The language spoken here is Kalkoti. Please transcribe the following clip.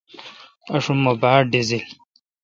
آشم مہ باڑ ڈزیل۔